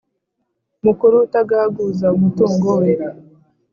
mukuru utagaguza umutungo we